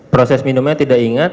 proses minumnya tidak ingat